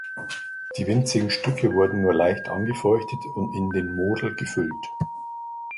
Die winzigen Stücke wurden nun leicht angefeuchtet und in den Model gefüllt.